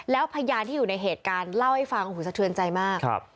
แล้วพยานที่อยู่ในเหตุการณ์เล่าให้ฟังโอ้โหสะเทือนใจมาก